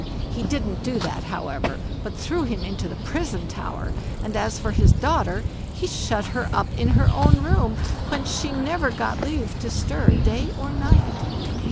He didn't do that, however, but threw him into the prison tower; and as for his daughter, he shut her up in her own room, whence she never got leave to stir day or night.